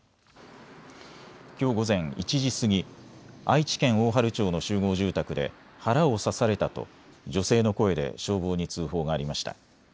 きょう午前１時過ぎ、愛知県大治町の集合住宅で腹を刺されたと女性の声で消防に通報がありました。